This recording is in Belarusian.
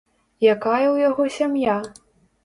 Якая ў яго сям'я?